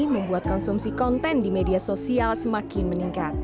membuat konsumsi konten di media sosial semakin meningkat